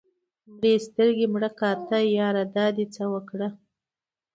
مړې سترګې او مړه کاته ياره دا دې څه اوکړه